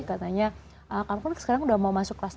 katanya kalaupun sekarang udah mau masuk kelas enam